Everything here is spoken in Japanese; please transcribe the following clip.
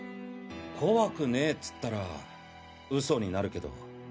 怖くねえつったらウソになるけど。